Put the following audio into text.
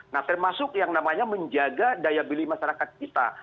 nah termasuk yang namanya menjaga daya beli masyarakat kita